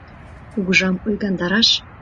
Кугыжам ойгандараш